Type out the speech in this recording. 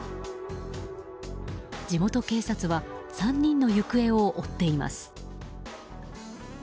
地元警察は３人の行方を追っています。